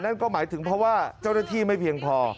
นั่นก็หมายถึงเพราะว่าเจ้าหน้าที่ไม่เพียงพอ